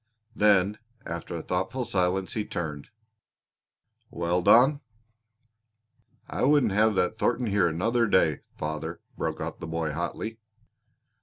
Then, after a thoughtful silence he turned: "Well, Don?" "I wouldn't have that Thornton here another day, father!" broke out the boy hotly.